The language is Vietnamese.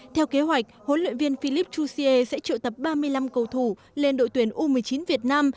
theo kế hoạch huấn luyện viên philippe jouzier sẽ triệu tập ba mươi năm cầu thủ lên đội tuyển u một mươi chín việt nam